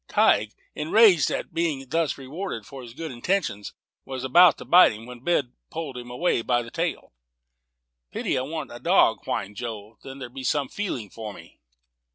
Tige, enraged at being thus rewarded for his good intentions, was going to bite him, when Ben pulled him away by the tail. "Pity I wan't a dog," whined Joe; "then there'd be some feeling for me."